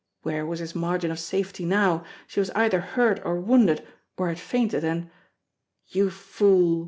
Where was his margin of safety now? She was either hurt or wounded, or had fainted, and "You fool!"